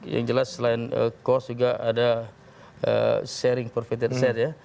yang jelas selain cost juga ada sharing pervated set ya